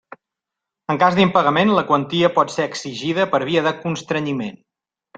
En cas d'impagament la quantia pot ser exigida per via de constrenyiment.